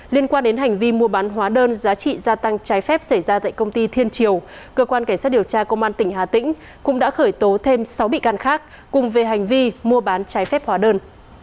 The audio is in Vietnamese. liên quan đến hành vi mua bán hóa đơn giá trị gia tăng trái phép xảy ra tại công ty thiên triều cơ quan cảnh sát điều tra công an tỉnh hà tĩnh cũng đã khởi tố thêm sáu bị can khác cùng về hành vi mua bán trái phép hóa đơn